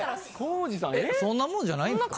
そんなもんじゃないんですか？